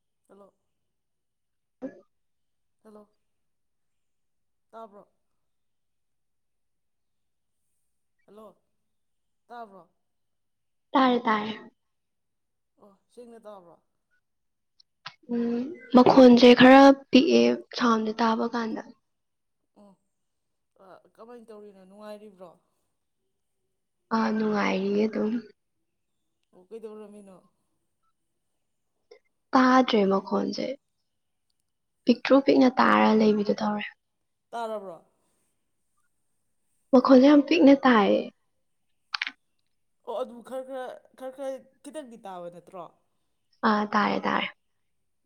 [inaudible] [unintelligible] Hello ꯇꯥꯕ꯭ꯔꯣ꯫ Hello ꯇꯥꯕ꯭ꯔꯣ꯫ ꯇꯔꯦ ꯇꯔꯦ꯫ ꯑꯣ ꯁꯦꯡꯅ ꯇꯥꯕ꯭ꯔꯣ꯫ ꯎꯝ ꯃꯈꯣꯟꯁꯦ ꯈꯔ ꯄꯤꯛꯑꯦ ꯁꯥꯎꯟꯁꯦ ꯇꯥꯕ ꯀꯥꯟꯗ꯫ ꯑꯣ ꯀꯃꯥꯏꯅ ꯇꯧꯔꯤꯅꯣ ꯅꯨꯡꯉꯥꯏꯔꯤꯕ꯭ꯔꯣ꯫ ꯑꯥ ꯅꯨꯡꯉꯥꯏꯔꯤꯌꯦ ꯑꯗꯨꯝ꯫ ꯎ ꯀꯩꯗꯧꯔꯝꯃꯤꯅꯣ꯫ ꯇꯥꯗ꯭ꯔꯦ ꯃꯈꯣꯟꯁꯦ ꯄꯤꯛꯇ꯭ꯔꯨ ꯄꯤꯛꯅ ꯇꯥꯔ ꯂꯩꯕꯤꯗꯨ ꯇꯧꯔꯦ꯫ ꯇꯥꯔꯕ꯭ꯔꯣ꯫ ꯃꯈꯣꯟꯜꯁꯦ ꯌꯥꯝ ꯄꯤꯛꯅ ꯇꯥꯏꯌꯦ꯫ ꯑꯣ ꯑꯗꯨ ꯈꯔ ꯈꯔ ꯈꯔ ꯈꯔ ꯈꯤꯇꯪꯗꯤ ꯇꯥꯕ ꯅꯠꯇ꯭ꯔꯣ꯫ ꯑ ꯇꯥꯔꯦ ꯇꯥꯔꯦ꯫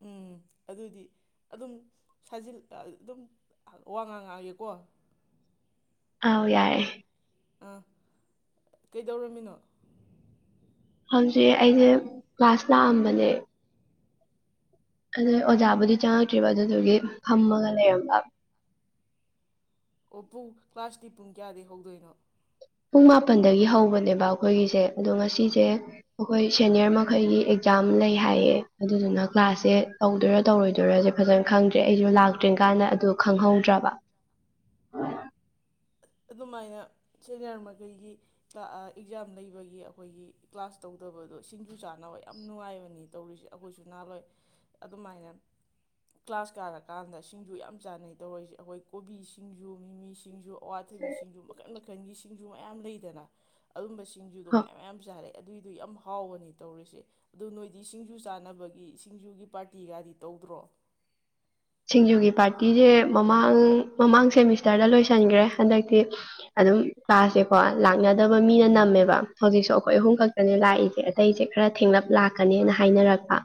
ꯎꯝ ꯑꯗꯨꯗꯤ ꯑꯗꯨꯝ ꯁꯥꯖꯤꯜ ꯑꯗꯨꯝ ꯋꯥ ꯉꯥꯡꯉꯥꯡꯑꯒꯦꯀꯣ꯫ ꯑꯧ ꯌꯥꯏꯌꯦ꯫ ꯑꯥ ꯀꯩꯗꯧꯔꯝꯃꯤꯅꯣ꯫ ꯍꯧꯖꯤꯛ ꯑꯩꯁꯦ ꯀ꯭ꯂꯥꯁ ꯂꯥꯛꯑꯝꯕꯅꯦ ꯑꯗꯨ ꯑꯣꯖꯥꯕꯨꯗꯤ ꯆꯪꯉꯛꯇ꯭ꯔꯤꯕ ꯑꯗꯨꯗꯨꯒꯤ ꯐꯝꯃꯒ ꯂꯩꯔꯝꯕ ꯑꯣ ꯄꯨꯡ ꯀ꯭ꯂꯥꯁꯇꯤ ꯄꯨꯡ ꯀꯌꯥꯗꯒꯤ ꯍꯧꯗꯣꯏꯅꯣ ꯄꯨꯡ ꯃꯥꯄꯜꯗꯒꯤ ꯍꯧꯕꯅꯦꯕ ꯑꯩꯈꯣꯏꯒꯤꯁꯦ ꯑꯗꯣ ꯉꯁꯤꯁꯦ ꯑꯩꯈꯣꯏ ꯁꯦꯅꯤꯌꯔ ꯃꯈꯩꯒꯤ ꯑꯦꯛꯖꯥꯝ ꯂꯩ ꯍꯥꯏꯌꯦ ꯑꯗꯨꯗꯨꯅ ꯀ꯭ꯂꯥꯁꯁꯦ ꯇꯧꯗꯣꯏꯔꯥ ꯇꯧꯔꯣꯏꯗꯣꯏꯔꯁꯦ ꯐꯖꯅ ꯈꯪꯗ꯭ꯔꯦ ꯑꯩꯁꯨ ꯂꯥꯛꯇ꯭ꯔꯤ ꯀꯥꯟꯗ ꯑꯗꯨ ꯈꯪꯍꯧꯗ꯭ꯔꯕ ꯑꯗꯨꯃꯥꯏꯅ ꯁꯦꯅꯤꯌꯔ ꯃꯈꯩꯒꯤ ꯑꯦꯛꯖꯥꯝ ꯂꯩꯕꯒꯤ ꯑꯩꯈꯣꯏꯒꯤ ꯀ꯭ꯂꯥꯁ ꯇꯧꯗꯕꯗꯣ ꯁꯤꯡꯖꯨ ꯆꯥꯅꯕ ꯌꯥꯝ ꯅꯨꯡꯉꯥꯏꯕꯅꯤ ꯇꯧꯔꯤꯁꯦ ꯑꯩꯈꯣꯏꯁꯨ ꯅꯥꯜꯂꯣꯏ ꯑꯗꯨꯃꯥꯏꯅ ꯀ꯭ꯂꯥꯁ ꯀꯥꯔꯀꯥꯟꯗ ꯁꯤꯡꯖꯨ ꯌꯥꯝ ꯆꯥꯅꯩ ꯇꯧꯔꯤꯁꯦ ꯑꯩꯈꯣꯏ ꯀꯣꯕꯤ ꯁꯤꯡꯁꯨ ꯃꯤꯃꯤ ꯁꯤꯡꯁꯨ ꯑꯋꯥꯊꯕꯤ ꯁꯤꯡꯁꯨ ꯃꯈꯟ ꯃꯈꯟꯒꯤ ꯁꯤꯡꯁꯨꯨ ꯃꯌꯥꯝ ꯂꯩꯗꯅ ꯑꯗꯨꯝꯕ ꯁꯤꯡꯖꯨꯒ ꯃꯌꯥꯞꯃꯌꯥꯝ ꯆ ꯁꯥꯔꯦ ꯑꯗꯨꯏꯗꯣ ꯌꯥꯝ ꯍꯥꯎꯕꯅꯤ ꯇꯧꯔꯤꯁꯦ ꯑꯗꯨ ꯅꯣꯏꯗꯤ ꯁꯤꯡꯖꯨ ꯆꯥꯅꯕꯒꯤ ꯁꯤꯡꯖꯨꯒꯤ ꯄꯥꯔꯇꯤꯒꯗꯤ ꯇꯧꯗ꯭ꯔꯣ ꯁꯤꯡꯖꯨꯒꯤ ꯄꯥꯔꯇꯤꯁꯦ ꯃꯃꯥꯡ ꯃꯃꯥꯡ ꯁꯦꯃꯤꯁꯇꯔꯗ ꯂꯣꯏꯁꯤꯟꯈ꯭ꯔꯦ ꯍꯟꯗꯛꯇꯤ ꯑꯗꯨꯝ ꯀ꯭ꯂꯥꯁꯁꯦꯀꯣ ꯂꯥꯛꯅꯗꯕ ꯃꯤꯅ ꯅꯝꯃꯦꯕ ꯍꯧꯖꯤꯛꯁꯨ ꯑꯩꯈꯣꯏ ꯑꯍꯨꯝ ꯈꯛꯇꯅꯦ ꯂꯥꯛꯏꯁꯦ ꯑꯇꯩꯁꯦ ꯈꯔ ꯊꯦꯡꯂꯞ ꯂꯥꯛꯀꯅꯦꯅ ꯍꯥꯏꯅꯔꯛꯄ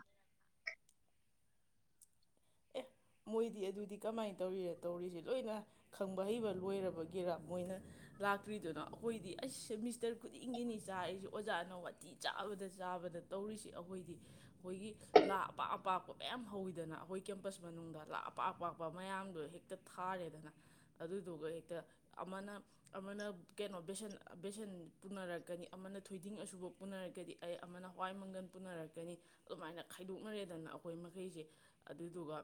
ꯑꯦ ꯃꯣꯏꯗꯤ ꯑꯗꯨꯗꯤ ꯀꯃꯥꯏꯅ ꯇꯧꯔꯤꯔ ꯇꯧꯔꯤꯁꯦ ꯂꯣꯏꯅ ꯈꯪꯕ ꯍꯩꯕ ꯂꯣꯏꯔꯕꯒꯦꯔ ꯃꯣꯏꯅ ꯂꯥꯛꯇ꯭ꯔꯤꯗꯨꯅꯣ ꯑꯩꯈꯣꯏꯗꯤ ꯑꯩꯁ ꯁꯦꯃꯤꯁꯇꯔ ꯈꯨꯗꯤꯡꯒꯤꯅꯤ ꯆꯥꯔꯤꯁꯤ ꯑꯣꯖꯥꯅ ꯋꯥꯇꯤ ꯆꯥꯕꯗ ꯆꯥꯕꯗ ꯇꯧꯔꯤꯁꯤ ꯑꯩꯈꯣꯏꯗꯤ ꯑꯩꯈꯣꯏꯒꯤ ꯂꯥ ꯑꯄꯥꯛ ꯑꯄꯥꯛꯄ ꯃꯌꯥꯝ ꯍꯧꯋꯤꯗꯅ ꯑꯩꯈꯣꯏ ꯀꯦꯝꯄꯁ ꯃꯅꯨꯡꯗ ꯂꯥꯛ ꯑꯄꯥꯛ ꯄꯥꯛꯄ ꯃꯌꯥꯝꯗꯣ ꯍꯦꯛꯇ ꯊꯥꯔꯦꯗꯅ ꯑꯗꯨꯗꯨꯒ ꯍꯦꯛꯇ ꯑꯃꯅ ꯑꯃꯅ ꯀꯩꯅꯣ ꯕꯦꯁꯟ ꯕꯦꯁꯟ ꯄꯨꯅꯔꯛꯀꯅꯤ ꯑꯃꯅ ꯊꯣꯏꯗꯤꯡ ꯑꯁꯨꯕ ꯄꯨꯅꯔꯛꯀꯗꯤ ꯑꯦ ꯑꯃꯅ ꯍꯋꯥꯏ ꯃꯪꯒꯜ ꯄꯨꯅꯔꯛꯀꯅꯤ ꯑꯗꯨꯃꯥꯏꯅ ꯈꯥꯏꯗꯣꯛꯅꯔꯦꯗꯅ ꯑꯩꯈꯣꯏ ꯃꯈꯩꯁꯦ ꯑꯗꯨꯗꯨꯒ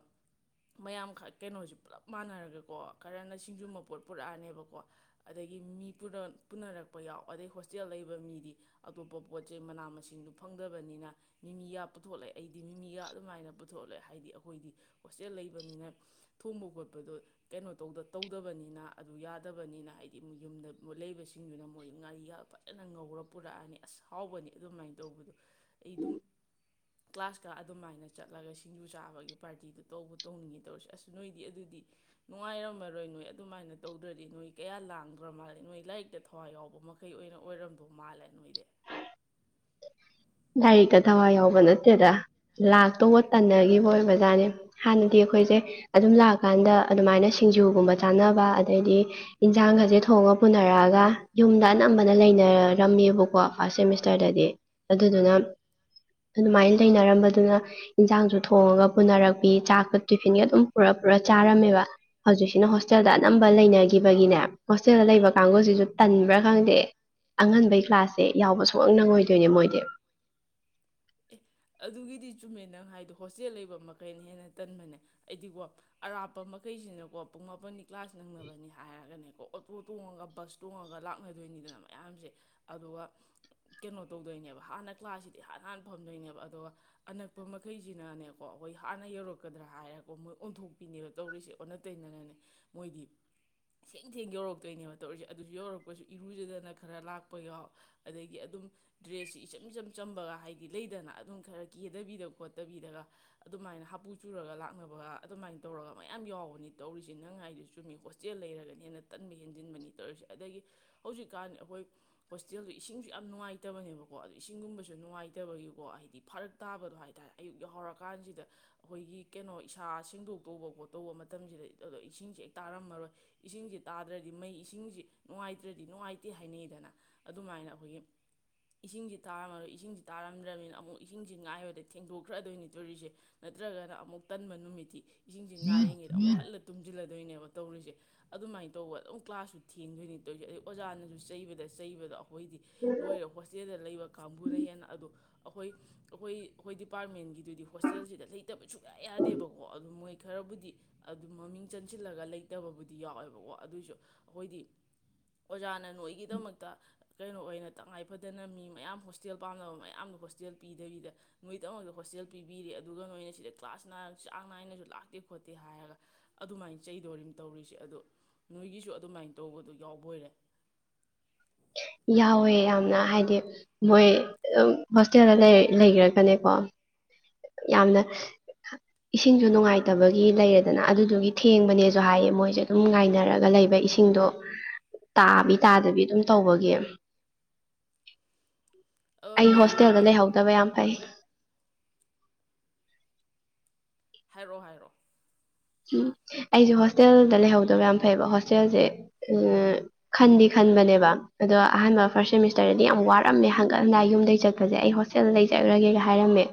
ꯃꯌꯥꯝ ꯀꯩꯅꯣꯁꯦ ꯄꯨꯂꯞ ꯃꯥꯟꯅꯔꯒꯀꯣ ꯈꯔꯅ ꯁꯤꯡꯖꯨꯝꯕ ꯄꯣꯠ ꯄꯨꯔꯛꯑꯅꯦꯕꯀꯣ ꯑꯗꯒꯤ ꯃꯤ ꯄꯨꯅꯔꯛꯄ ꯌꯥꯎ ꯑꯗꯩ ꯍꯣꯁꯇꯦꯜ ꯂꯩꯕ ꯃꯤꯗꯤ ꯑꯇꯣꯞꯄ ꯄꯣꯠꯁꯦ ꯃꯅꯥ ꯃꯁꯤꯡꯗꯨ ꯐꯪꯗꯕꯅꯤꯅ ꯃꯤꯃꯤꯒ ꯄꯨꯊꯣꯛꯂꯦ ꯑꯩꯗꯤ ꯃꯤꯃꯤꯒ ꯑꯗꯨꯃꯥꯏꯅ ꯄꯨꯊꯣꯛꯂꯦ ꯍꯥꯏꯕꯗꯤ ꯑꯩꯈꯣꯏꯗꯤ ꯍꯣꯁꯇꯦꯜ ꯂꯩꯕꯅꯤꯅ ꯊꯣꯡꯕ ꯈꯣꯠꯄꯗꯣ ꯀꯩꯅꯣ ꯇꯧꯗ ꯇꯧꯗꯕꯅꯤꯅ ꯑꯗꯨ ꯌꯥꯗꯕꯅꯤꯅ ꯍꯥꯏꯗꯤ ꯌꯨꯝꯗ ꯂꯩꯕꯁꯤꯡꯗꯨꯅ ꯃꯣꯏ ꯉꯥꯔꯤꯒ ꯐꯖꯅ ꯉꯧꯔ ꯄꯨꯔꯛꯑꯅꯤ ꯑꯁ ꯍꯥꯎꯕꯅꯤ ꯑꯗꯨꯃꯥꯏꯅ ꯇꯧꯕꯗꯣ ꯑꯩ ꯑꯗꯨꯝ ꯀ꯭ꯂꯥꯁꯀ ꯑꯗꯨꯃꯥꯏꯅ ꯆꯠꯂꯒ ꯁꯤꯡꯖꯨ ꯆꯥꯕꯒꯤ ꯄꯥꯔꯇꯤꯗꯨ ꯇꯧꯕ ꯇꯧꯅꯤꯡꯉꯤ ꯇꯧꯔꯁꯤ ꯑꯁ ꯅꯣꯏꯗꯤ ꯑꯗꯨꯗꯤ ꯅꯨꯡꯉꯥꯏꯔꯝꯃꯔꯣꯏ ꯅꯣꯏ ꯑꯗꯨꯃꯥꯏꯅ ꯇꯧꯗ꯭ꯔꯗꯤ ꯅꯣꯏ ꯀꯌꯥ ꯂꯥꯡꯈ꯭ꯔ ꯃꯥꯜꯂꯦ ꯅꯣꯏ ꯂꯥꯏꯔꯤꯛꯇ ꯊꯋꯥꯏ ꯌꯥꯎꯕ ꯃꯈꯩ ꯑꯣꯏꯅ ꯑꯣꯏꯔꯝꯕꯧ ꯃꯥꯜꯂꯦ ꯅꯣꯏꯗꯤ ꯂꯥꯏꯔꯤꯛꯇ ꯊꯋꯥꯏ ꯌꯥꯎꯕ ꯅꯠꯇꯦꯗ ꯂꯥꯛꯇꯧꯕ ꯇꯟꯅꯈꯤꯕ ꯑꯣꯏꯕ ꯖꯥꯠꯅꯤ ꯍꯥꯟꯅꯗꯤ ꯑꯩꯈꯣꯏꯁꯦ ꯑꯗꯨꯝ ꯂꯥꯛꯀꯥꯟꯗ ꯑꯗꯨꯃꯥꯏꯅ ꯁꯤꯡꯖꯨꯒꯨꯝꯕ ꯆꯥꯅꯕ ꯑꯗꯩꯗꯤ ꯏꯟꯁꯥꯡꯒꯁꯦ ꯊꯣꯡꯉ ꯄꯨꯅꯔꯛꯑꯒ ꯌꯨꯝꯗ ꯑꯅꯝꯕꯅ ꯂꯩꯅꯔꯝꯃꯦꯕꯀꯣ ꯐꯥꯔꯁ ꯁꯦꯃꯤꯁꯇꯔꯗꯗꯤ ꯑꯗꯨꯗꯨꯅ ꯑꯗꯨꯃꯥꯏꯅ ꯂꯩꯅꯔꯝꯕꯗꯨꯅ ꯏꯟꯁꯥꯡꯁꯨ ꯊꯣꯡꯉꯒ ꯄꯨꯅꯔꯛꯄꯤ ꯆꯥꯛꯀ ꯇꯤꯐꯤꯟꯒ ꯑꯗꯨꯝ ꯄꯨꯔ ꯄꯨꯔ ꯆꯥꯔꯝꯃꯦꯕ ꯍꯧꯖꯤꯛꯁꯤꯅ ꯍꯣꯁꯇꯦꯜꯗ ꯑꯅꯝꯕ ꯂꯩꯅꯈꯤꯕꯒꯤꯅꯦ ꯍꯣꯁꯇꯦꯜꯗ ꯂꯩꯕ ꯀꯥꯡꯒꯁꯤꯁꯨ ꯇꯟꯕ꯭ꯔꯥ ꯈꯪꯗꯦ ꯑꯉꯟꯕꯩ ꯀ꯭ꯂꯥꯁꯁꯦ ꯌꯥꯎꯕ ꯁꯨꯛꯅꯪ ꯅꯪꯉꯣꯏꯗꯣꯏꯅꯦ ꯃꯣꯏ ꯇꯦ ꯑꯦ ꯑꯗꯨꯒꯤꯗꯤ ꯆꯨꯝꯃꯦ ꯅꯪ ꯍꯥꯏꯗꯣ ꯍꯣꯁꯇꯦꯜ ꯂꯩꯕ ꯃꯈꯩꯅ ꯍꯦꯟꯅ ꯇꯟꯕꯅꯦ ꯑꯩꯗꯤꯀꯣ ꯑꯔꯥꯞꯄ ꯃꯈꯩꯁꯤꯅꯀꯣ ꯄꯨꯡ ꯃꯥꯄꯟ ꯀ꯭ꯂꯥꯁ ꯅꯪꯅꯕꯅꯤ ꯍꯥꯏꯔꯒꯅꯦ ꯀ ꯑꯣꯇꯣ ꯇꯣꯡꯉꯒ ꯕꯁ ꯇꯣꯡꯉꯒ ꯂꯥꯛꯅꯗꯣꯏꯅꯤꯗꯅ ꯃꯌꯥꯝꯁꯦ ꯑꯗꯨꯒ ꯀꯩꯅꯣ ꯇꯧꯗꯣꯏꯅꯦꯕ ꯍꯥꯟꯅ ꯀ꯭ꯂꯥꯁꯁꯤꯗꯤ ꯍꯥꯟ ꯍꯥꯟꯅ ꯐꯝꯗꯣꯏꯅꯦꯕ ꯑꯗꯨꯒ ꯑꯅꯛꯄ ꯃꯈꯩꯁꯤꯅꯅꯦꯀꯣ ꯑꯩꯈꯣꯏ ꯍꯥꯟꯅ ꯌꯧꯔꯛꯀꯗ꯭ꯔꯥ ꯍꯥꯏꯔꯀꯣ ꯃꯣꯏ ꯑꯣꯟꯊꯣꯛꯄꯤꯅꯦꯕ ꯇꯧꯔꯤꯁꯦ ꯑꯣꯟꯅ ꯇꯩꯅꯅꯅꯦ ꯃꯣꯏꯗꯤ ꯊꯦꯡ ꯊꯦꯡ ꯌꯧꯔꯛꯇꯣꯏꯅꯦꯕ ꯇꯧꯔꯤꯁꯦ ꯑꯗꯨꯁꯨ ꯌꯧꯔꯛꯄꯁꯨ ꯏꯔꯨꯖꯗꯅ ꯈꯔ ꯂꯥꯛꯄ ꯌꯥꯎ ꯑꯗꯒꯤ ꯑꯗꯨꯝ ꯗ꯭ꯔꯦꯁꯁꯤ ꯏꯆꯝ ꯏꯆꯝ ꯆꯝꯕꯒ ꯍꯥꯏꯗꯤ ꯂꯩꯗꯅ ꯑꯗꯨꯝ ꯈꯔ ꯀꯦꯗꯕꯤꯗ ꯈꯣꯠꯇꯕꯤꯗꯒ ꯑꯗꯨꯃꯥꯏꯅ ꯍꯥꯄꯨ ꯆꯨꯔꯒ ꯂꯥꯛꯅꯕꯒ ꯑꯗꯨꯃꯥꯏꯅ ꯇꯧꯔꯒ ꯃꯌꯥꯝ ꯌꯥꯎꯕꯅꯤ ꯇꯧꯔꯤꯁꯦ ꯅꯪ ꯍꯥꯏꯗꯨ ꯆꯨꯝꯃꯤ ꯍꯣꯁꯇꯦꯜ ꯂꯩꯔꯒꯅꯤ ꯍꯦꯟꯅ ꯇꯟꯕ ꯍꯦꯟꯖꯤꯟꯕꯅꯤ ꯇꯧꯔꯤꯁꯦ ꯑꯗꯒꯤ ꯍꯧꯖꯤꯛꯀꯥꯟ ꯑꯩꯈꯣꯏ ꯍꯣꯁꯇꯦꯜꯗꯣ ꯏꯁꯤꯡꯁꯨ ꯌꯥꯝ ꯅꯨꯡꯉꯥꯏꯇꯕꯅꯦꯕꯀꯣ ꯑꯗꯣ ꯏꯁꯤꯡꯒꯨꯝꯕꯁꯨ ꯅꯨꯡꯉꯥꯏꯇꯕꯒꯤꯀꯣ ꯍꯥꯏꯗꯤ ꯐꯔꯛ ꯇꯥꯕꯗꯣ ꯍꯥꯏꯇꯥꯔꯦ ꯑꯌꯨꯛ ꯌꯥ ꯍꯧꯔꯀꯥꯟꯁꯤꯗ ꯑꯩꯈꯣꯏꯒꯤ ꯀꯩꯅꯣ ꯏꯁꯥ ꯁꯦꯡꯗꯣꯛ ꯇꯧꯕ ꯈꯣꯠꯇꯧꯕ ꯃꯇꯝꯁꯤꯗ ꯑꯗꯣ ꯏꯁꯤꯡꯁꯤꯦ ꯍꯦꯛ ꯇꯥꯔꯝꯃꯔꯣꯏ ꯏꯁꯤꯡꯁꯤ ꯇꯥꯗ꯭ꯔꯗꯤ ꯃꯩ ꯏꯁꯤꯡꯁꯤ ꯅꯨꯡꯉꯥꯏꯇ꯭ꯔꯗꯤ ꯅꯨꯡꯉꯥꯏꯇꯦ ꯍꯥꯏꯅꯩꯗꯅ ꯑꯗꯨꯃꯥꯏꯅ ꯑꯩꯈꯣꯏꯒꯤ ꯏꯁꯤꯡꯁꯤ ꯇꯥꯔꯝꯃꯔꯣꯏ ꯏꯁꯤꯡꯁꯤ ꯇꯥꯔꯝꯗ꯭ꯔꯕꯅꯤꯅ ꯑꯃꯨꯛ ꯏꯁꯤꯡꯁꯤ ꯉꯥꯏꯕꯗ ꯊꯦꯡꯗꯣꯛꯈ꯭ꯔꯗꯣꯏꯅꯤ ꯇꯣꯔꯤꯁꯦ ꯅꯠꯇ꯭ꯔꯒꯅ ꯑꯃꯨꯛ ꯇꯟꯕ ꯅꯨꯃꯤꯠꯇꯤ ꯏꯁꯤꯡꯁꯤ ꯉꯥꯏꯔꯤꯉꯩꯗ ꯑꯃꯨꯛ ꯍꯜꯂ ꯇꯨꯝꯁꯤꯜꯂꯗꯣꯏꯅꯦꯕ ꯀ ꯇꯧꯔꯤꯁꯦ ꯑꯗꯨꯃꯥꯏꯅ ꯇꯧꯕ ꯑꯗꯨꯝ ꯀ꯭ꯂꯥꯁꯁꯨ ꯊꯦꯡꯗꯣꯏꯅꯤ ꯇꯧꯔꯤꯁꯦ ꯑꯗꯩ ꯑꯣꯖꯥꯅꯁꯨ ꯆꯩꯕꯗ ꯆꯩꯕꯗ ꯍꯈꯣꯏꯗꯤ ꯅꯣꯏꯔ ꯍꯣꯁꯇꯦꯜꯗ ꯂꯩꯕ ꯀꯥꯡꯕꯨꯅ ꯍꯦꯟꯅ ꯑꯗꯣ ꯑꯩꯈꯣꯏ ꯑꯩꯈꯣꯏ ꯑꯩꯈꯣꯏ ꯗꯤꯄꯥꯔꯠꯃꯦꯟꯒꯤꯗꯨꯗꯤ ꯍꯣꯁꯇꯦꯜꯁꯤꯗ ꯂꯩꯇꯕ ꯁꯨꯡꯌꯥ ꯌꯥꯗꯦꯕꯀꯣ ꯑꯗꯨ ꯃꯣꯏ ꯈꯔꯕꯨꯗꯤ ꯑꯗꯨꯝ ꯃꯃꯤꯡ ꯆꯟꯁꯤꯜꯂꯒ ꯂꯩꯇꯕꯕꯨꯗꯤ ꯌꯥꯎꯋꯦꯕꯀꯣ ꯑꯗꯨꯏꯁꯨ ꯑꯩꯈꯣꯏꯗꯤ ꯑꯣꯖꯥꯅ ꯅꯣꯏꯒꯤꯗꯃꯛꯇ ꯀꯩꯅꯣ ꯑꯣꯏꯅ ꯇꯉꯥꯏꯐꯗꯅ ꯃꯤ ꯃꯌꯥꯝ ꯍꯣꯁꯇꯦꯜ ꯄꯥꯝꯅꯕ ꯃꯌꯥꯝꯗ ꯍꯣꯁꯇꯦꯜ ꯄꯤꯗꯕꯤꯗ ꯅꯣꯏꯗꯃꯛꯇ ꯍꯣꯁꯇꯦꯜ ꯄꯤꯕꯤꯔꯤ ꯑꯗꯨꯒ ꯅꯣꯏꯅ ꯁꯤꯗ ꯀ꯭ꯂꯥꯁ ꯅꯥꯏꯅ ꯆꯥꯡ ꯅꯥꯏꯅꯁꯨ ꯂꯥꯛꯇꯦ ꯈꯣꯠꯇꯦ ꯍꯥꯏꯔꯒ ꯑꯗꯨꯃꯥꯏꯅ ꯆꯩꯗꯣꯔꯤꯝ ꯇꯧꯔꯤꯁꯦ ꯑꯗꯣ ꯅꯣꯏꯒꯤꯁꯨ ꯑꯗꯨꯃꯥꯏꯅ ꯇꯧꯕꯗ ꯌꯥꯎꯕꯣꯏꯔꯦ ꯌꯥꯎꯋꯦ ꯌꯥꯝꯅ ꯍꯥꯏꯗꯤ ꯃꯣꯏ ꯍꯣꯁꯇꯦꯜꯗ ꯂꯩꯈ꯭ꯔꯒꯅꯦꯀꯣ ꯌꯥꯝꯅ ꯏꯁꯤꯡꯁꯨ ꯅꯨꯡꯉꯥꯏꯇꯕꯒꯤ ꯂꯩꯔꯦꯗꯅ ꯑꯗꯨꯗꯨꯒꯤ ꯊꯦꯡꯕꯅꯦꯁꯨ ꯍꯥꯏꯌꯦ ꯃꯣꯏꯁꯦ ꯑꯗꯨꯝ ꯉꯥꯏꯅꯔꯒ ꯂꯩꯕ ꯏꯁꯤꯡꯗꯣ ꯇꯥꯕꯤ ꯇꯥꯗꯕꯤ ꯑꯗꯨꯝ ꯇꯧꯕꯒꯤ ꯑꯗꯣ ꯑꯩ ꯃꯌꯥꯝ ꯍꯣꯁꯇꯦꯜꯗ ꯃꯥꯟꯅꯔꯒ ꯂꯩꯍꯧꯗꯕ ꯌꯥꯝ ꯐꯩ ꯍꯥꯏꯔꯛꯑꯣ ꯍꯥꯏꯔꯛꯑꯣ ꯎꯝ ꯑꯩꯁꯦ ꯍꯣꯁꯇꯦꯜꯗ ꯂꯩꯍꯧꯗꯕ ꯌꯥꯝ ꯐꯩꯕ ꯍꯣꯁꯇꯦꯜꯁꯦ ꯈꯟꯗꯤ ꯈꯟꯕꯅꯦꯕ ꯑꯗꯣ ꯑꯍꯥꯟꯕ ꯐꯥꯔꯁ ꯁꯦꯃꯤꯁꯇꯔꯗꯗꯤ ꯌꯥꯝ ꯋꯥꯔꯝꯃꯦ ꯍꯪꯒꯠ ꯍꯟꯗꯥꯏ ꯌꯨꯝꯗꯒꯤ ꯆꯠꯄꯁꯦ ꯑꯩ ꯍꯣꯁꯇꯦꯜꯗ ꯆꯠꯂꯨꯔꯒꯦꯒ ꯍꯥꯏꯔꯝꯃꯦ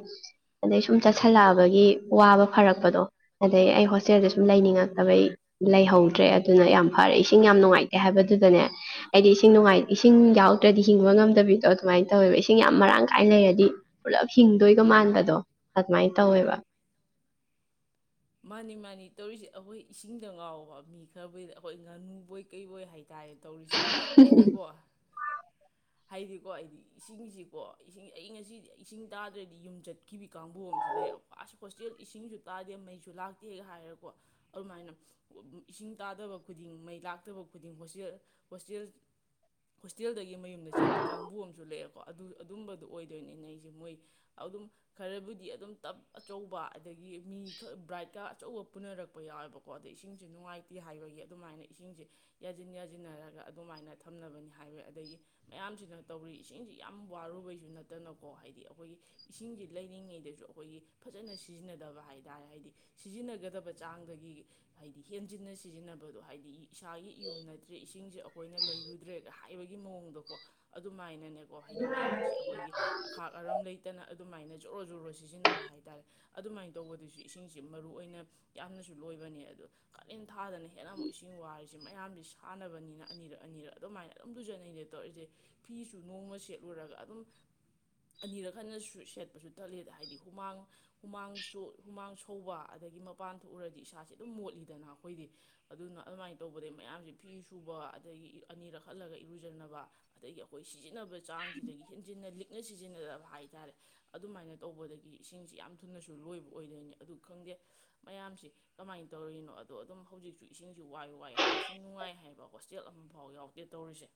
ꯑꯗꯩ ꯁꯨꯝ ꯆꯠꯁꯜꯂꯛꯑꯕꯒꯤ ꯋꯥꯕ ꯐꯔꯛꯄꯗꯣ ꯑꯗꯩ ꯑꯩ ꯍꯣꯁꯇꯦꯜꯗ ꯁꯨꯝ ꯂꯩꯅꯤꯡꯉꯛꯇꯕꯩ ꯂꯩꯍꯧꯗ꯭ꯔꯦ ꯑꯗꯨꯅ ꯌꯥꯝ ꯐꯔꯦ ꯏꯁꯤꯡ ꯌꯥꯝ ꯅꯨꯡꯉꯥꯏꯇꯦ ꯍꯥꯏꯕꯗꯨꯗꯅꯦ ꯑꯩꯗꯤ ꯏꯁꯤꯡ ꯏꯁꯤꯡ ꯌꯥꯎꯗ꯭ꯔꯗꯤ ꯍꯤꯡꯕ ꯉꯝꯗꯕꯤꯗꯣ ꯑꯗꯨꯃꯥꯏꯅ ꯇꯧꯋꯦꯕ ꯏꯁꯤꯡ ꯌꯥꯝ ꯃꯔꯥꯡ ꯀꯥꯏꯅ ꯂꯩꯔꯗꯤ ꯄꯨꯂꯞ ꯍꯤꯡꯗꯣꯏꯒ ꯃꯥꯟꯕꯗꯣ ꯑꯗꯨꯃꯥꯏꯅ ꯇꯧꯋꯦꯕ ꯃꯥꯅꯤ ꯃꯥꯅꯤ ꯇꯧꯔꯤꯁꯦ ꯑꯩꯈꯣꯏ ꯏꯁꯤꯡꯗ ꯉꯥꯎꯕ ꯃꯤ ꯈꯕꯨꯗ ꯑꯩꯈꯣꯏ ꯉꯥꯅꯨꯕꯣꯏ ꯀꯩꯕꯣꯏ ꯍꯥꯏ ꯍꯥꯏꯇꯥꯔꯦ ꯇꯧꯔꯤꯁꯦ ꯑꯩꯗꯤꯀꯣ ꯍꯥꯏꯗꯤꯀꯣ ꯍꯥꯏꯗꯤ ꯏꯁꯤꯡꯁꯤꯀꯣ ꯏꯁꯤꯡ ꯑꯩ ꯉꯁꯤꯗꯤ ꯏꯁꯤꯡ ꯇꯥꯗ꯭ꯔꯗꯤ ꯌꯨꯝ ꯆꯠꯈꯤꯕ ꯀꯥꯡꯕꯨ ꯑꯃꯁꯨ ꯂꯩꯕ ꯑꯁ ꯍꯣꯁꯇꯦꯜ ꯏꯁꯤꯡꯁꯨ ꯇꯥꯗꯦ ꯃꯩꯁꯨ ꯁꯨ ꯂꯥꯛꯇꯦꯒ ꯍꯥꯏꯔꯀꯣ ꯑꯗꯨꯃꯥꯏꯅ ꯏꯁꯤꯡ ꯇꯥꯗꯕ ꯈꯨꯗꯤꯡ ꯃꯩ ꯂꯥꯛꯇꯕ ꯈꯨꯗꯤꯡ ꯍꯣꯁꯇꯦꯜ ꯍꯣꯁꯇꯦꯜ ꯍꯣꯁꯇꯦꯜꯗꯒꯤ ꯃꯌꯨꯝꯗ ꯆꯠꯈꯤ ꯀꯥꯡꯕꯨ ꯑꯃꯁꯨ ꯂꯩꯑꯦꯀꯣ ꯑꯗꯨ ꯑꯗꯨꯝꯕꯗꯨꯣ ꯑꯣꯏꯗꯣꯏꯅꯤ ꯅ ꯑꯩꯁꯦ ꯃꯣꯏ ꯑꯗꯨꯝ ꯈꯔꯕꯨꯗꯤ ꯑꯗꯨꯝ ꯇꯞ ꯑꯆꯧꯕ ꯑꯗꯒꯤ ꯃꯤ ꯕ꯭ꯔꯥꯏꯠꯀ ꯑꯆꯧꯕ ꯄꯨꯅꯔꯛꯄ ꯌꯥꯎꯋꯦꯕꯀꯣ ꯑꯗꯩ ꯏꯁꯤꯡꯁꯦ ꯅꯨꯡꯉꯥꯏꯇꯦ ꯍꯥꯏꯕꯒꯤ ꯑꯗꯨꯃꯥꯏꯅ ꯏꯁꯤꯡꯁꯦ ꯌꯥꯁꯤꯟ ꯌꯥꯁꯤꯟꯅꯔꯒ ꯑꯗꯨꯃꯥꯏꯅ ꯊꯝꯅꯕꯅꯤ ꯍꯥꯏꯕ ꯑꯗꯒꯤ ꯃꯌꯥꯝꯁꯤꯅ ꯇꯧꯔꯤ ꯏꯁꯤꯡꯁꯤ ꯌꯥꯝ ꯋꯥꯔꯨꯕꯩꯁꯨ ꯅꯠꯇꯅꯀꯣ ꯍꯥꯏꯗꯤ ꯑꯩꯈꯣꯏꯒꯤ ꯏꯁꯤꯡꯁꯤ ꯂꯩꯔꯤꯉꯩꯗꯁꯨ ꯑꯩꯈꯣꯏꯒꯤ ꯐꯖꯅ ꯁꯤꯖꯤꯟꯅꯗꯕ ꯍꯥꯏꯇꯥꯔꯦ ꯍꯥꯏꯗꯤ ꯁꯤꯖꯤꯟꯅꯒꯗꯕ ꯆꯥꯡꯗꯒꯤ ꯍꯥꯏꯗꯤ ꯍꯦꯟꯖꯤꯟꯅ ꯁꯤꯖꯤꯟꯅꯕꯗꯣ ꯍꯥꯏꯗꯤ ꯏꯁꯥꯒꯤ ꯏꯌꯨꯝ ꯅꯠꯇ꯭ꯔꯦ ꯏꯁꯤꯡꯁꯦ ꯑꯩꯈꯣꯏꯅ ꯂꯩꯔꯨꯗ꯭ꯔꯦ ꯍꯥꯏꯕꯒꯤ ꯃꯑꯣꯡꯗꯀꯣ ꯑꯗꯨꯃꯥꯏꯅꯅꯦ ꯍꯥꯏꯗꯤ ꯃꯌꯥꯝꯁꯤ ꯑꯩꯈꯣꯏꯒꯤ ꯑꯈꯥꯛ ꯑꯔꯝ ꯂꯩꯇꯅ ꯑꯗꯨꯃꯥꯏꯅ ꯖꯣꯔꯣ ꯖꯣꯔꯣ ꯁꯤꯖꯤꯟꯅꯕ ꯍꯥꯏꯇꯥꯔꯦ ꯑꯗꯨꯃꯥꯏꯅ ꯇꯧꯕꯗꯁꯨ ꯏꯁꯤꯡ ꯁꯦ ꯃꯔꯨꯑꯣꯏ ꯑꯣꯏꯅ ꯌꯥꯝꯅꯁꯨ ꯂꯣꯏꯕꯅꯦ ꯑꯗꯣ ꯀꯥꯂꯦꯟ ꯊꯥꯗꯅ ꯍꯦꯟꯅ ꯑꯃꯨꯛ ꯏꯁꯤꯡ ꯋꯥꯔꯤꯁꯦ ꯃꯌꯥꯝꯁ ꯁꯥꯟꯅꯕꯅꯤꯅ ꯑꯅꯤꯔꯛ ꯑꯅꯤꯔꯛ ꯑꯗꯨꯃꯥꯏꯅ ꯑꯗꯨꯝ ꯇꯨꯖꯟꯅꯩꯔꯦ ꯇꯧꯔꯛꯔꯤꯁꯦ ꯐꯤꯁꯨ ꯅꯣꯡꯃ ꯁꯦꯠꯂꯨꯔꯒ ꯑꯗꯨꯝ ꯑꯅꯤꯔꯛ ꯈꯟꯅ ꯁꯦꯠꯄꯁꯨ ꯊꯠꯂꯦꯗ ꯍꯥꯏꯗꯤ ꯍꯨꯃꯥꯡ ꯍꯨꯃꯥꯡꯁꯨ ꯍꯨꯃꯥꯡ ꯊꯧꯕ ꯑꯗꯒꯤ ꯃꯄꯥꯟ ꯊꯣꯛꯎꯔꯗꯤ ꯏꯁꯥꯁꯦ ꯑꯗꯨꯝ ꯃꯣꯠꯂꯤꯗꯅ ꯑꯩꯈꯣꯏꯗꯤ ꯑꯗꯨꯅ ꯑꯗꯨꯃꯥꯏꯅ ꯇꯧꯕꯗꯩ ꯃꯌꯥꯝꯁꯦ ꯐꯤ ꯁꯨꯕ ꯑꯗꯒꯤ ꯑꯅꯤꯔꯛ ꯍꯜꯂꯒ ꯏꯔꯨꯖꯅꯕ ꯑꯗꯒꯤ ꯑꯩꯈꯣꯏ ꯁꯤꯖꯤꯟꯅꯕ ꯆꯥꯡꯁꯤꯗꯒꯤ ꯍꯦꯟꯖꯤꯟꯅ ꯂꯤꯛ ꯅ ꯁꯤꯖꯤꯟꯅꯗꯕ ꯍꯥꯏꯇꯥꯔꯦ ꯑꯗꯨꯃꯥꯏꯅ ꯇꯧꯕꯗꯒꯤ ꯏꯁꯤꯡꯁꯤ ꯌꯥꯝ ꯊꯨꯅꯁꯨ ꯂꯣꯏꯕ ꯑꯣꯏꯗꯣꯏꯅꯤ ꯑꯗꯨ ꯈꯪꯗꯦ ꯃꯌꯥꯝꯁꯤ ꯀꯃꯥꯏꯅ ꯇꯧꯔꯤꯔꯤꯅꯣ ꯑꯗꯣ ꯑꯗꯨꯝ ꯍꯧꯖꯤꯛꯁꯨ ꯏꯁꯤꯡꯁꯨ ꯋꯥꯏ ꯋꯥꯏ ꯍꯥꯏ ꯏꯁꯤꯡ ꯅꯨꯡꯉꯥꯏ ꯍꯥꯏꯕ ꯍꯣꯁꯇꯦꯜ ꯑꯃꯐꯥꯎ ꯌꯥꯎꯗꯦ ꯇꯧꯔꯤꯁꯦ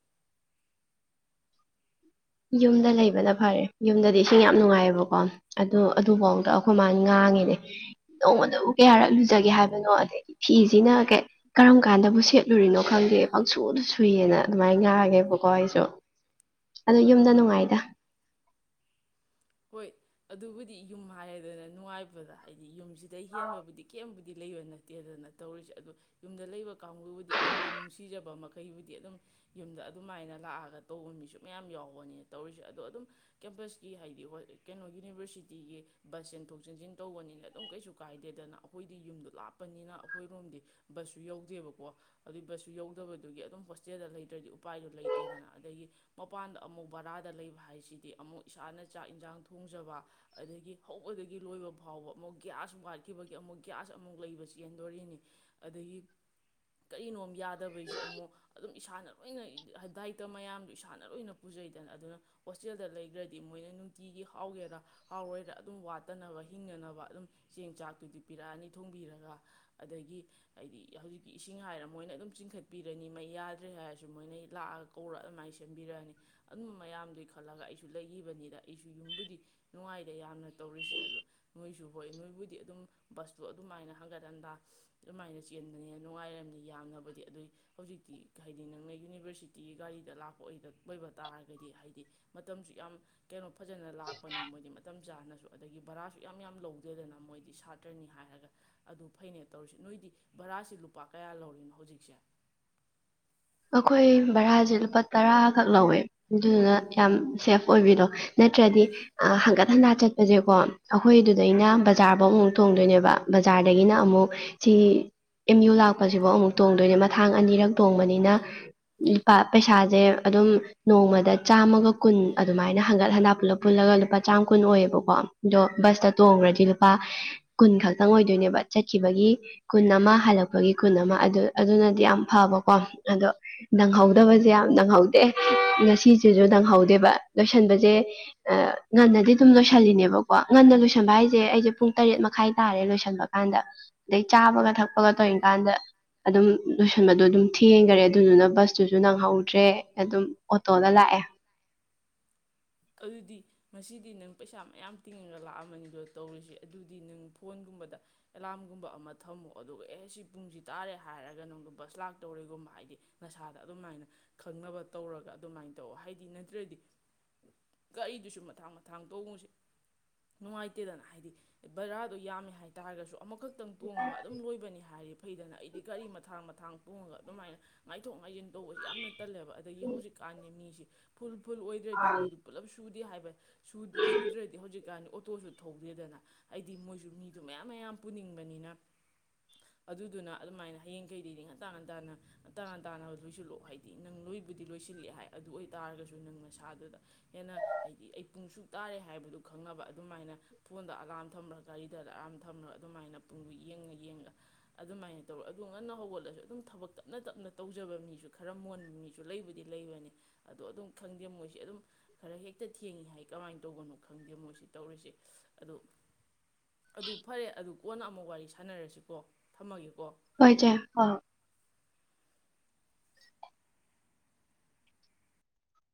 ꯌꯨꯝꯗ ꯂꯩꯕꯅ ꯐꯔꯦ ꯌꯨꯝꯗꯗꯤ ꯏꯁꯤꯡ ꯌꯥꯝ ꯅꯨꯡꯉꯥꯏꯌꯦꯕꯀꯣ ꯑꯗꯨ ꯑꯗꯨꯐꯥꯎꯗ ꯑꯩꯈꯣꯏ ꯃꯥꯅ ꯉꯥꯡꯉꯤꯅꯦ ꯅꯣꯡꯃꯗꯕꯨ ꯀꯌꯥꯔꯛꯂꯨꯖꯒꯦ ꯍꯥꯏꯕꯅꯣ ꯑꯗꯒꯤ ꯐꯤꯁꯤꯅꯩ ꯀꯔꯝ ꯀꯥꯟꯗꯕꯨ ꯁꯦꯠꯂꯨꯔꯤꯅꯣ ꯈꯪꯗꯦ ꯄꯪꯁꯨꯗ ꯁꯨꯏꯌꯦꯅ ꯑꯗꯨꯃꯥꯏꯅ ꯉꯥꯡꯒꯦꯕꯀꯣ ꯑꯩꯁꯨ ꯑꯗꯣ ꯌꯨꯝꯗ ꯅꯨꯡꯉꯥꯏꯗ ꯍꯣꯏ ꯑꯗꯨꯕꯨꯗꯤ ꯌꯨꯝ ꯍꯥꯏꯔꯗꯅ ꯅꯨꯡꯉꯥꯏꯕꯗ ꯍꯥꯏꯗꯤ ꯌꯨꯝꯁꯤꯗ ꯍꯦꯟꯕꯕꯨꯗꯤ ꯀꯦꯝꯕꯨꯗꯤ ꯂꯩꯕ ꯅꯠꯇꯦꯗꯅ ꯇꯧꯔꯤꯁꯦ ꯑꯗꯣ ꯌꯨꯝꯗ ꯂꯩꯕ ꯀꯥꯡꯕꯨꯕꯨꯗꯤ ꯑꯗꯨꯝ ꯌꯨꯝ ꯅꯨꯡꯁꯤꯖꯕ ꯃꯈꯩꯕꯨꯗꯤ ꯑꯗꯨꯝ ꯌꯨꯝꯗ ꯑꯗꯨꯃꯥꯏꯅ ꯂꯥꯛꯑꯒ ꯇꯧꯕ ꯃꯤꯁꯨ ꯃꯌꯥꯝ ꯌꯥꯎꯕꯅꯤꯅ ꯇꯧꯔꯤꯁꯦ ꯑꯗꯣ ꯑꯗꯨꯝ ꯀꯦꯝꯄꯁꯀꯤ ꯍꯥꯏꯗꯤ ꯀꯩꯅꯣ ꯌꯨꯅꯤꯚꯔꯁꯤꯇꯤꯒꯤ ꯕꯁ ꯆꯦꯟꯊꯣꯛ ꯆꯦꯟꯁꯤꯟ ꯇꯧꯕꯅꯤꯅ ꯑꯗꯨꯝ ꯀꯩꯁꯨ ꯀꯥꯏꯗꯦꯗꯅ ꯑꯩꯈꯣꯏꯗꯤ ꯌꯨꯝꯗꯣ ꯂꯥꯞꯄꯅꯤꯅ ꯑꯩꯈꯣꯏꯔꯣꯝꯗꯤ ꯕꯁꯁꯨ ꯌꯧꯗꯦꯕꯀꯣ ꯑꯗꯨꯏ ꯕꯁꯁꯨ ꯌꯧꯗꯕꯗꯨꯒꯤ ꯑꯗꯨꯝ ꯍꯣꯁꯇꯦꯜꯗ ꯂꯩꯇ꯭ꯔꯗꯤ ꯎꯄꯥꯏꯗꯣ ꯂꯩꯇꯦꯗꯅ ꯑꯗꯒꯤ ꯃꯄꯥꯟꯗ ꯑꯃꯨꯛ ꯕꯔꯥꯗ ꯂꯩꯕ ꯍꯥꯏꯁꯤꯗꯤ ꯑꯃꯨꯛ ꯏꯁꯥꯅ ꯆꯥꯛ ꯏꯟꯁꯥꯡ ꯊꯣꯡꯖꯕ ꯑꯗꯒꯤ ꯍꯧꯕꯗꯒꯤ ꯂꯣꯏꯕ ꯐꯥꯎꯕ ꯑꯃꯨꯛ ꯒ꯭ꯌꯥꯁ ꯋꯥꯠꯈꯤꯕꯒꯤ ꯑꯃꯨꯛ ꯒ꯭ꯌꯥꯁ ꯑꯃꯨꯛ ꯂꯩꯕ ꯆꯦꯟꯗꯣꯔꯤꯅꯤ ꯑꯗꯒꯤ ꯀꯔꯤꯅꯣ ꯌꯥꯗꯕꯩꯁꯨ ꯑꯃꯨꯛ ꯑꯗꯨꯝ ꯏꯁꯥꯅ ꯂꯣꯏꯅ ꯗꯥꯏꯇ ꯃꯌꯥꯝꯗꯨ ꯏꯁꯥꯅ ꯂꯣꯏꯅ ꯄꯨꯖꯩꯗꯅ ꯑꯗꯨꯅ ꯍꯣꯁꯇꯦꯜꯗ ꯂꯩꯈ꯭ꯔꯗꯤ ꯃꯣꯏꯅ ꯅꯨꯡꯇꯤꯒꯤ ꯍꯥꯎꯒꯦꯔ ꯍꯥꯎꯔꯣꯏꯔ ꯑꯗꯨꯝ ꯋꯥꯠꯇꯅꯕ ꯍꯤꯡꯅꯅꯕ ꯑꯗꯨꯝ ꯆꯦꯡ ꯆꯥꯛꯇꯨꯗꯤ ꯄꯤꯔꯛꯑꯅꯤ ꯊꯣꯡꯕꯤꯔꯒ ꯑꯗꯒꯤ ꯍꯥꯏꯗꯤ ꯍꯧꯖꯤꯛꯀꯤ ꯏꯁꯤꯡ ꯍꯥꯏꯔ ꯃꯣꯏꯅ ꯑꯗꯨꯝ ꯆꯤꯡꯈꯠꯄꯤꯔꯅꯤ ꯃꯩ ꯌꯥꯗ꯭ꯔꯦ ꯍꯥꯏꯔꯁꯨ ꯃꯣꯏꯅ ꯂꯥꯛꯑꯒ ꯀꯧꯔ ꯑꯗꯨꯃꯥꯏꯅ ꯁꯦꯝꯕꯤꯔꯛꯑꯅꯤ ꯑꯗꯨꯝꯕ ꯃꯌꯥꯝꯗꯨ ꯈꯜꯂꯒ ꯑꯩꯁꯨ ꯂꯩ ꯏꯕꯅꯤꯗ ꯑꯩꯁꯨ ꯌꯨꯝꯕꯨꯗꯤ ꯅꯨꯡꯉꯥꯏꯗ ꯌꯥꯝꯅ ꯇꯧꯔꯤꯁꯦ ꯑ ꯅꯣꯏꯁꯨ ꯍꯣꯏ ꯅꯣꯏꯕꯨꯗꯤ ꯑꯗꯨꯝ ꯕꯁꯇꯣ ꯑꯗꯨꯃꯥꯏꯅ ꯍꯟꯒꯠ ꯍꯟꯗꯥ ꯑꯗꯨꯃꯥꯏꯅ ꯆꯦꯟꯕꯅꯤꯅ ꯅꯨꯡꯉꯥꯏꯔꯝꯅꯤ ꯌꯥꯝꯅꯕꯨꯗꯤ ꯑꯗꯨꯏ ꯍꯧꯖꯤꯛꯇꯤ ꯍꯥꯏꯗꯤ ꯅꯪꯅ ꯌꯨꯅꯤꯚꯔꯁꯤꯇꯤꯒꯤ ꯒꯥꯔꯤꯗ ꯂꯥꯛꯄ ꯑꯣꯏꯕ ꯇꯥꯔꯒꯗꯤ ꯍꯥꯏꯗꯤ ꯃꯇꯝꯁꯨ ꯌꯥꯝ ꯀꯩꯅꯣ ꯐꯖꯅ ꯂꯥꯛꯄꯅꯤ ꯃꯣꯏꯗꯤ ꯃꯇꯝ ꯆꯥꯅꯁꯨ ꯑꯗꯒꯤ ꯚꯔꯥꯁꯨ ꯌꯥꯝ ꯌꯥꯝ ꯂꯧꯗꯦꯗꯅ ꯃꯣꯏꯗꯤ ꯁꯥꯇ꯭ꯔꯅꯤ ꯍꯥꯏꯔꯒ ꯑꯗꯨ ꯐꯅꯦ ꯇꯧꯔꯤꯁꯤ ꯅꯣꯏꯗꯤ ꯚꯔꯥꯁꯤ ꯂꯨꯄꯥ ꯀꯌꯥ ꯂꯧꯔꯤꯅꯣ ꯍꯧꯖꯤꯛꯁꯦ ꯑꯩꯈꯣꯏ ꯚꯔꯥꯁꯦ ꯂꯨꯄꯥ ꯇꯔꯥꯈꯛ ꯂꯧꯋꯦ ꯑꯗꯨꯗꯨꯅ ꯌꯥꯝ ꯁꯦꯐ ꯑꯣꯏꯕꯤꯗꯣ ꯅꯠꯇ꯭ꯔꯗꯤ ꯍꯟꯀꯠ ꯍꯟꯗ ꯆꯠꯄꯁꯦꯀꯣ ꯑꯩꯈꯣꯏꯗꯨꯗꯩꯅ ꯕꯖꯥꯔꯐꯧ ꯑꯃꯨꯛ ꯇꯣꯡꯗꯣꯏꯅꯦꯕ ꯕꯖꯥꯔꯗꯒꯤꯅ ꯑꯃꯨꯛ ꯁꯤ ꯑꯦꯝ ꯌꯨ ꯂꯥꯛꯄꯁꯤꯐꯧ ꯑꯃꯨꯛ ꯇꯣꯡꯗꯣꯏꯅꯦ ꯃꯊꯥꯡ ꯑꯅꯤꯔꯛ ꯇꯣꯡꯕꯅꯤꯅ ꯂꯨꯄꯥ ꯄꯩꯁꯥꯁꯦ ꯑꯗꯨꯝ ꯅꯣꯡꯃꯗ ꯆꯥꯝꯃꯒ ꯀꯨꯟ ꯑꯗꯨꯃꯥꯏꯅ ꯍꯟꯒꯠ ꯍꯟꯗꯂꯞ ꯄꯨꯜꯂꯒ ꯂꯨꯄꯥ ꯆꯥꯝꯃ ꯀꯨꯟ ꯑꯣꯏꯌꯦꯕꯀꯣ ꯑꯗꯣ ꯕꯁꯇ ꯇꯣꯡꯈ꯭ꯔꯗꯤ ꯂꯨꯄꯥ ꯀꯨꯟ ꯈꯛꯇꯪ ꯑꯣꯏꯗꯣꯏꯅꯦꯕ ꯆꯠꯈꯤꯕꯒꯤ ꯀꯨꯟ ꯑꯃ ꯍꯜꯂꯛꯄꯒꯤ ꯀꯨꯟ ꯑꯃ ꯑꯗꯨꯅꯗꯤ ꯌꯥꯝ ꯐꯕꯀꯣ ꯑꯗꯣ ꯅꯪꯍꯧꯗꯕꯁꯦ ꯌꯥꯝ ꯅꯪꯍꯧꯗꯦ ꯉꯁꯤꯁꯤꯁꯨ ꯅꯪꯍꯧꯗꯦꯕ ꯂꯣꯏꯁꯟꯕꯁꯦ ꯉꯟꯅꯗꯤ ꯑꯗꯨꯝ ꯂꯣꯏꯁꯜꯂꯤꯅꯦꯕꯀꯣ ꯉꯟꯅ ꯂꯣꯏꯁꯟꯕ ꯍꯥꯏꯁꯦ ꯑꯩꯁꯦ ꯄꯨꯡ ꯇꯔꯦꯠ ꯃꯈꯥꯏ ꯇꯥꯔꯦ ꯂꯣꯏꯁꯟꯕ ꯀꯥꯟꯗ ꯑꯗꯩ ꯆꯥꯕꯒ ꯊꯛꯄꯒ ꯇꯧꯔꯤꯀꯥꯟꯗ ꯑꯗꯨꯝ ꯂꯣꯏꯁꯟꯕꯗꯣ ꯑꯗꯨꯝ ꯊꯤ ꯍꯦꯟꯈꯔꯦ ꯑꯗꯨꯗꯨꯅ ꯕꯁꯇꯨꯁꯨ ꯅꯪꯍꯧꯗ꯭ꯔꯦ ꯑꯗꯨꯝ ꯑꯣꯇꯣꯗ ꯂꯥꯛꯑꯦ ꯑꯗꯨꯗꯤ ꯉꯁꯤꯗꯤ ꯅꯪ ꯄꯩꯁꯥ ꯃꯌꯥꯝ ꯇꯤꯡꯉꯒ ꯂꯥꯛꯑꯃꯅꯤꯗꯣ ꯇꯧꯔꯤꯁꯤ ꯑꯗꯨꯗꯤ ꯅꯪ ꯐꯣꯟꯒꯨꯝꯕꯗ ꯑꯦꯂꯥꯔꯝꯒꯨꯝꯕ ꯑꯃ ꯊꯝꯃꯣ ꯑꯗꯨꯒ ꯑꯦ ꯁꯤ ꯄꯨꯡꯁꯤ ꯇꯥꯔꯦ ꯍꯥꯏꯔꯒ ꯅꯪꯗ ꯕꯁ ꯂꯥꯛꯇꯧꯔꯤꯦꯒꯨꯝꯕ ꯍꯥꯏꯗꯤ ꯅꯁꯥꯗ ꯑꯗꯨꯃꯥꯏꯅ ꯈꯪꯅꯕ ꯇꯧꯔꯒ ꯑꯗꯨꯃꯥꯏꯅ ꯇꯧꯑꯣ ꯍꯥꯏꯗꯤ ꯅꯠꯇ꯭ꯔꯗꯤ ꯒꯥꯔꯤꯗꯨꯁꯨ ꯃꯊꯥꯡ ꯃꯊꯥꯡ ꯇꯣꯡꯉꯨꯁꯦ ꯅꯨꯡꯉꯥꯏꯇꯦꯗꯅ ꯍꯥꯏꯗꯤ ꯕꯔꯥꯗꯣ ꯌꯥꯝꯃꯦ ꯍꯥꯏꯇꯥꯥꯔꯒꯁꯨ ꯑꯃꯈꯛꯇꯪ ꯇꯣꯡꯉꯒ ꯑꯗꯨꯝ ꯂꯣꯏꯕꯅꯤ ꯍꯥꯏꯔꯤꯕ ꯍꯩꯗꯅ ꯍꯥꯏꯗꯤ ꯒꯥꯔꯤ ꯃꯊꯥꯡ ꯃꯊꯥꯡ ꯄꯨꯡꯉꯒ ꯑꯗꯨꯃꯥꯏꯅ ꯉꯥꯏꯊꯣꯛ ꯉꯥꯏꯁꯤꯟ ꯇꯧꯕꯁꯤ ꯌꯥꯝꯅ ꯇꯜꯂꯦꯕ ꯑꯗꯒꯤ ꯍꯧꯖꯤꯛꯀꯥꯟꯗꯤ ꯃꯤꯁꯦ ꯐꯨꯜ ꯐꯨꯜ ꯑꯣꯏꯗ꯭ꯔꯦꯗꯤ ꯃꯤꯗꯨ ꯄꯨꯂꯞ ꯁꯨꯗꯦ ꯍꯥꯏꯕ ꯁꯨꯗ꯭ꯔꯗꯤ ꯍꯧꯖꯤꯛꯀꯥꯟꯗꯤ ꯑꯣꯇꯣꯁꯨ ꯊꯧꯗꯦꯗꯅ ꯍꯥꯏꯗꯤ ꯃꯣꯏꯁꯨ ꯃꯤꯗꯣ ꯃꯌꯥꯝ ꯃꯌꯥꯝ ꯄꯨꯅꯤꯡꯕꯅꯤꯅ ꯑꯗꯨꯗꯨꯅ ꯑꯗꯨꯃꯥꯏꯅ ꯍꯌꯦꯡ ꯀꯩꯗꯩꯗꯤ ꯉꯟꯇꯥ ꯉꯟꯇꯥꯅ ꯉꯟꯇꯥ ꯉꯟꯇꯥꯅ ꯂꯣꯏꯁꯤꯜꯂꯛꯑꯣ ꯍꯥꯏꯗꯤ ꯅꯪ ꯂꯣꯏꯕꯨꯗꯤ ꯂꯣꯏꯁꯤꯜꯂꯛꯑꯦ ꯍꯥꯏ ꯑꯗꯨ ꯑꯣꯏꯇꯥꯥꯔꯒꯁꯨ ꯅꯪ ꯃꯁꯥꯗꯨꯗ ꯍꯦꯟꯅ ꯍꯥꯏꯗꯤ ꯑꯩ ꯄꯨꯡꯁꯨ ꯇꯥꯔꯦ ꯍꯥꯏꯕꯗꯨ ꯈꯪꯅꯕ ꯑꯗꯨꯃꯥꯏꯅ ꯐꯣꯟꯗ ꯑꯂꯝ ꯊꯝꯂꯒ ꯒꯥꯔꯤꯗ ꯂꯥꯛꯑ ꯑꯃ ꯊꯝꯃꯒ ꯑꯗꯨꯃꯥꯏꯅ ꯄꯨꯡꯗꯨ ꯌꯦꯡꯉ ꯌꯦꯡꯉ ꯑꯗꯨꯃꯥꯏꯅ ꯇꯧꯔ ꯑꯗꯨ ꯉꯟꯅ ꯍꯧꯒꯠꯂꯁꯨ ꯑꯗꯨꯝ ꯊꯕꯛ ꯇꯞꯅ ꯇꯞꯅ ꯇꯧꯖꯕ ꯃꯤꯁꯨ ꯈꯔ ꯃꯣꯟꯕ ꯃꯤꯁꯨ ꯂꯩꯕꯨꯗꯤ ꯂꯩꯕꯅꯤ ꯑꯗꯣ ꯑꯗꯨꯝ ꯈꯪꯗꯦ ꯃꯣꯏꯁꯦ ꯑꯗꯨꯝ ꯈꯔ ꯍꯦꯛꯇ ꯊꯦꯡꯉꯤ ꯍꯥꯏ ꯀꯃꯥꯏꯅ ꯇꯧꯒꯅꯣ ꯈꯪꯗꯦ ꯃꯣꯏꯁꯤ ꯇꯧꯔꯤꯁꯦ ꯑꯗꯨ ꯑꯗꯨ ꯐꯔꯦ ꯑꯗꯨ ꯀꯣꯟꯅ ꯑꯃꯨꯛ ꯋꯥꯔꯤ ꯁꯥꯟꯅꯔꯁꯤꯀꯣ ꯊꯝꯃꯒꯦ ꯍꯣꯏꯗ ꯑ